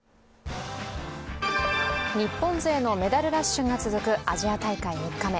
日本勢のメダルラッシュが続くアジア大会３日目。